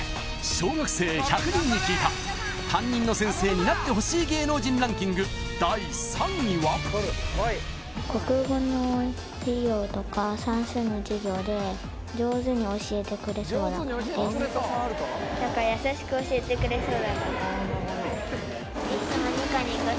小学生１００人に聞いた担任の先生になってほしい芸能人ランキング第３位は？に見えます